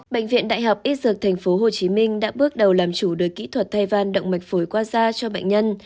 bệnh viện đại học ít dược tp hcm đã bước đầu làm chủ đối kỹ thuật thay văn động mạch phối qua da cho bệnh nhân